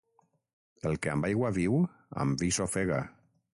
El que amb aigua viu, amb vi s'ofega.